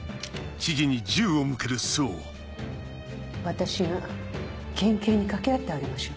私が県警に掛け合ってあげましょう。